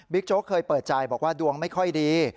โจ๊กเคยเปิดใจบอกว่าดวงไม่ค่อยดี